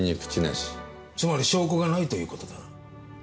つまり証拠がないという事だ。